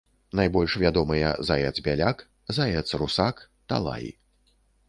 Найбольш вядомыя заяц-бяляк, заяц-русак, талай.